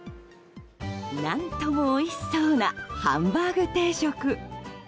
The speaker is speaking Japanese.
何ともおいしそうなハンバーグ定食。